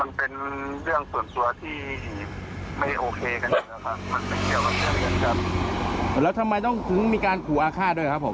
มันเป็นเกี่ยวกับเที่ยวกันครับแล้วทำไมต้องมีการขู่อาฆาตด้วยครับผม